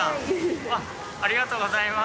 ありがとうございます。